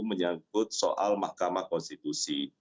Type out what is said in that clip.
menyangkut soal mahkamah konstitusi